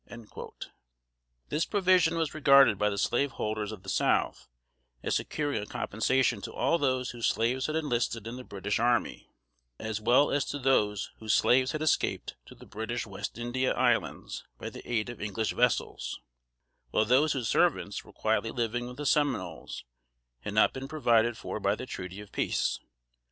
This provision was regarded by the slaveholders of the South as securing a compensation to all those whose slaves had enlisted in the British army, as well as to those whose slaves had escaped to the British West India Islands by aid of English vessels; while those whose servants were quietly living with the Seminoles, had not been provided for by the treaty of peace.